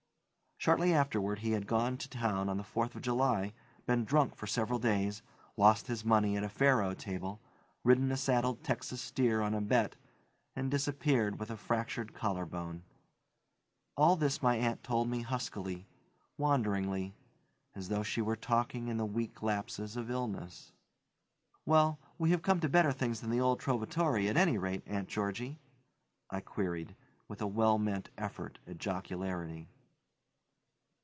Shortly afterward he had gone to town on the Fourth of July, been drunk for several days, lost his money at a faro table, ridden a saddled Texan steer on a bet, and disappeared with a fractured collarbone. All this my aunt told me huskily, wanderingly, as though she were talking in the weak lapses of illness. "Well, we have come to better things than the old Trovatore at any rate, Aunt Georgie?" I queried, with a well meant effort at jocularity.